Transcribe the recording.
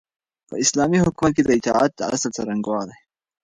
په اسلامي حکومت کي د اطاعت د اصل څرنګوالی